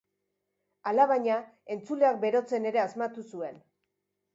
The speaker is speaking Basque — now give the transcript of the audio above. Alabaina, entzuleak berotzen ere asmatu zuen.